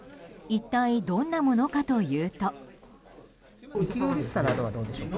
一体どんなものかというと。